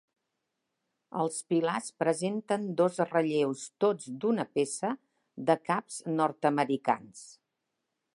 Els pilars presenten dos relleus tots d'una peça de caps nord-americans.